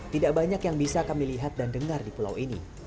tidak banyak yang bisa kami lihat dan dengar di pulau ini